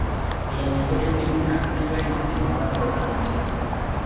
El Auditorio tiene una activa y continuada programación.